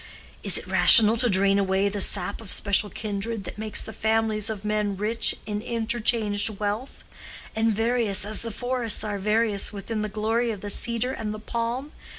Is it rational to drain away the sap of special kindred that makes the families of men rich in interchanged wealth, and various as the forests are various with the glory of the cedar and the palm?